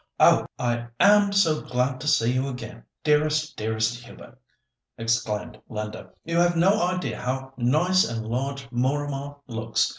"Oh! I am so glad to see you again, dearest, dearest Hubert," exclaimed Linda. "You have no idea how nice and large Mooramah looks.